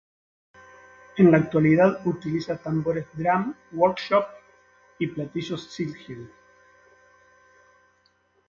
En la actualidad utiliza tambores Drum Workshop y platillos Zildjian.